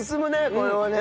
これはね。